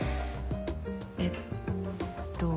えっと。